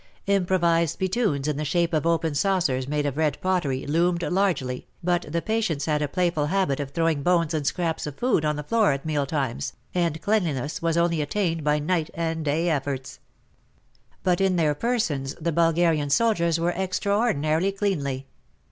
Improvized spittoons in the shape of open saucers made of red pottery, loomed largely, but the patients had a playful habit of throwing bones and scraps of food on the floor at meal times, and cleanliness was only attained by night and day efforts. 10 t46 WAR AND WOMEN But in their persons the Bulgarian soldiers were extraordinarily cleanly.